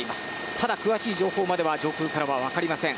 ただ、詳しい情報までは上空からは分かりません。